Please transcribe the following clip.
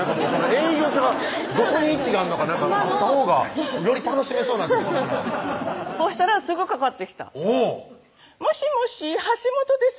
営業所がどこに位置があるのかあったほうがより楽しめそうなそしたらすぐかかってきたおぉ「もしもし橋本です